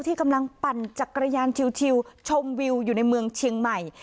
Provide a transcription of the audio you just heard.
ที่กำลังปั่นจักรยานชิวชมวิวอยู่ในเมืองเชียงใหม่